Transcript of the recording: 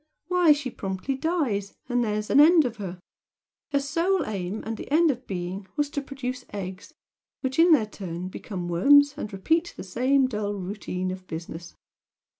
Why she promptly dies, and there's an end of her! Her sole aim and end of being was to produce eggs, which in their turn become worms and repeat the same dull routine of business.